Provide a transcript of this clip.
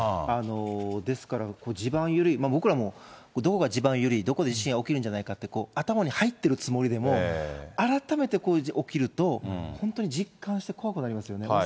ですから、地盤緩い、僕らも、どこが地盤が緩い、どこで地震が起きるんじゃないかって、頭に入ってるつもりでも、改めてこういうのが起きると、本当に実感して怖くなりますよね。